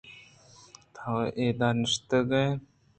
تو اِدا نشتگے